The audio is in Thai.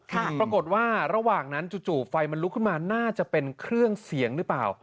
ปรากฏว่าระหว่างนั้นจู่ไฟมันลุกขึ้นมาน่าจะเป็นเครื่องเสียงหรือเปล่า